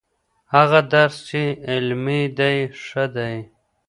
هغه درس چې عملي دی ښه دی.